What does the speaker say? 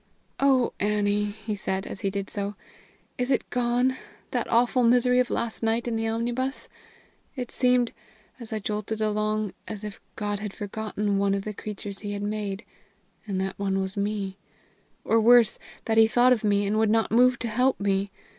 "Oh, Annie!" he said, as he did so, "is it gone, that awful misery of last night in the omnibus? It seemed, as I jolted along, as if God had forgotten one of the creatures he had made, and that one was me; or, worse, that he thought of me, and would not move to help me!